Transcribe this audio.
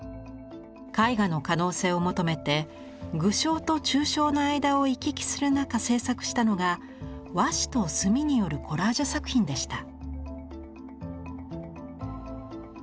絵画の可能性を求めて具象と抽象の間を行き来する中制作したのが和紙と墨によるコラージュ作品でした。